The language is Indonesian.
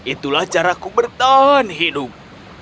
itulah cara ku bertahan hidung